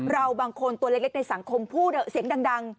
เราบางคนตัวเล็กในสังคมพูดเสียงดัง